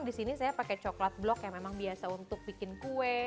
di sini saya pakai coklat blok yang memang biasa untuk bikin kue